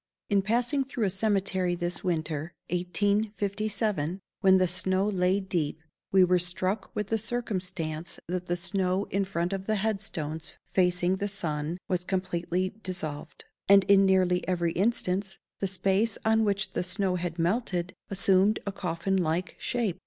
In passing through a cemetery this winter (1857), when the snow lay deep, we were struck with the circumstance that the snow in front of the head stones facing the sun was completely dissolved, and, in nearly every instance, the space on which the snow had melted assumed a coffin like shape.